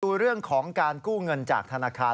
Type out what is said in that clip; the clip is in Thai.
ดูเรื่องของการกู้เงินจากธนาคาร